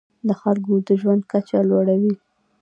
د خلکو د ژوند کچه لوړوي.